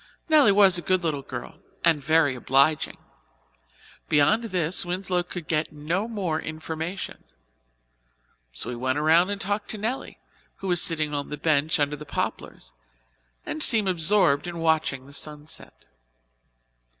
Nelly was a good little girl, and very obliging. Beyond this Winslow could get no more information, so he went around and talked to Nelly, who was sitting on the bench under the poplars and seemed absorbed in watching the sunset.